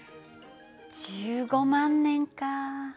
１５万年か。